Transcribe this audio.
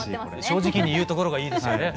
正直に言うところがいいですよね。